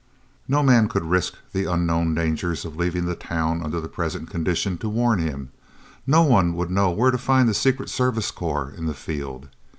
No man could risk the unknown dangers of leaving the town under the present conditions to warn him; no one would know where to find the Secret Service Corps in the field.